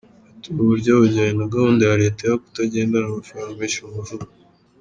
Ati “Ubu buryo bujyanye na gahunda ya Leta yo kutagendana amafaranga menshi mu mufuka.